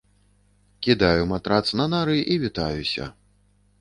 Кідаю матрац на нары і вітаюся.